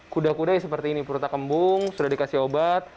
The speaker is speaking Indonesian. kuda kuda ya seperti ini purta kembung sudah dikasih obat